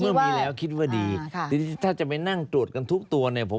เมื่อมีแล้วคิดว่าดีทีนี้ถ้าจะไปนั่งตรวจกันทุกตัวเนี่ย